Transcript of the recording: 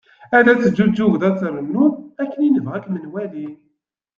Ad teǧğuğegḍ ad trennuḍ, akken i nebɣa ad kem-nwali."